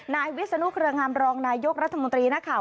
นายวิศนุเครืองามรองนายกรัฐมนตรีนักข่าว